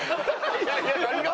いやいや何が？